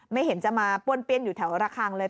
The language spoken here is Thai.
ไม่เห็นจะมาป้วนเปี้ยนอยู่แถวระคังเลย